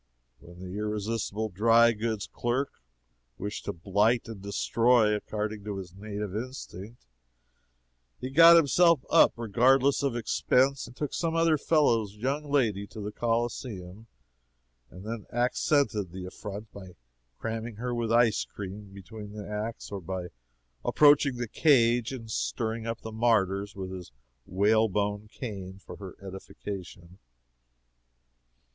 When the irresistible dry goods clerk wished to blight and destroy, according to his native instinct, he got himself up regardless of expense and took some other fellow's young lady to the Coliseum, and then accented the affront by cramming her with ice cream between the acts, or by approaching the cage and stirring up the martyrs with his whalebone cane for her edification.